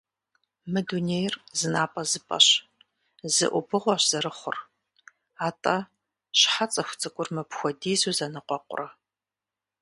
Мы дунейр зы напӏэзыпӏэщ, зы ӏубыгъуэщ зэрыхъур, атӏэ, щхьэ цӏыхуцӏыкӏур мыпхуэдизу зэныкъуэкъурэ?